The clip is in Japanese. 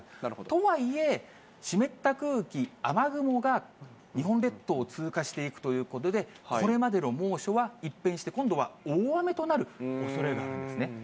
とはいえ、湿った空気、雨雲が日本列島を通過していくということで、これまでの猛暑は一変して、今度は大雨となるおそれがあるんですね。